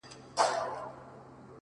د زړو غمونو یاري انډيوالي د دردونو